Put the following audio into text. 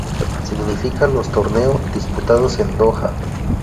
Significa los torneo disputados en Doha.